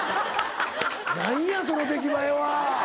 何やその出来栄えは！